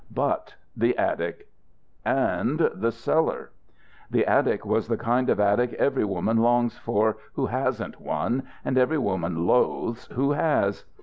But the attic! And the cellar! The attic was the kind of attic every woman longs for who hasn't one and every woman loathes who has.